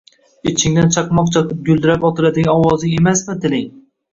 Ichingdan chaqmoq chaqib, guldirab otiladigan ovozing emasmi tiling?!